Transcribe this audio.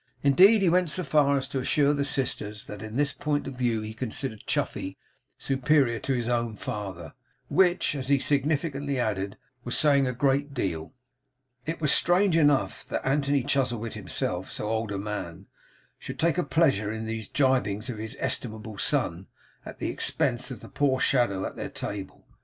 Indeed, he went so far as to assure the sisters, that in this point of view he considered Chuffey superior to his own father; which, as he significantly added, was saying a great deal. It was strange enough that Anthony Chuzzlewit, himself so old a man, should take a pleasure in these gibings of his estimable son at the expense of the poor shadow at their table.